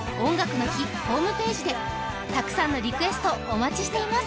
たくさんのエピソードをお待ちしています。